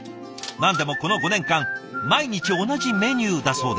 何でもこの５年間毎日同じメニューだそうで。